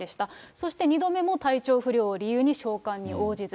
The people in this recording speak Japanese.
そして２度目も体調不良を理由に召喚に応じず。